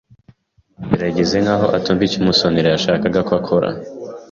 Mandera yigize nkaho atumva icyo Musonera yashakaga ko akora.